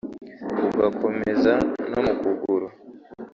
ugakomeza no mu kuguru